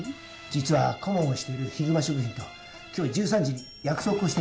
実は顧問をしているひぐま食品と今日１３時に約束をしてるんです。